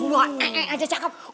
wah eh eh aja cakep